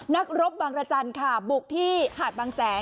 นักรบบางรจรค่ะบุกที่หาดบางแสงอ๋อ